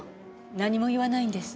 何も言わないんです。